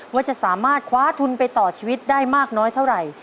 ว่าจะสามารถคว้าทุนไปต่อชีวิตได้มากน้อยเท่าไหร่